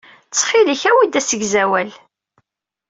Ttxil-k awi-d asegzawal.